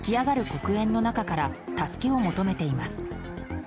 黒煙の中から助けを求めています。